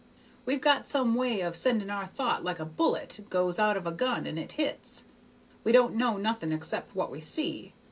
We've got some way of sending our thought like a bullet goes out of a gun and it hits. We don't know nothing except what we see.